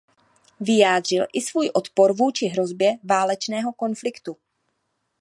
Vyjádřil i svůj odpor vůči hrozbě válečného konfliktu.